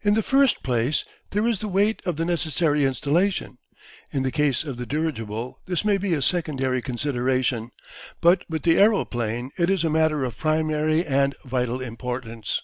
In the first place, there is the weight of the necessary installation. In the case of the dirigible this may be a secondary consideration, but with the aeroplane it is a matter of primary and vital importance.